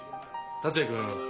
達也君